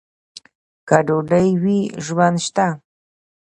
که ډوډۍ وي، ژوند شته.